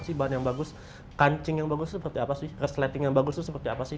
sih bahan yang bagus kancing yang bagus itu seperti apa sih resleting yang bagus itu seperti apa sih